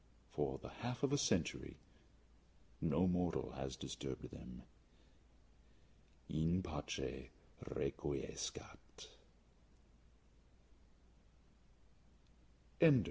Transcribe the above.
For the half of a century no mortal has disturbed them. _In pace requiescat!